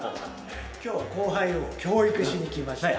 今日は後輩を教育しに来ました。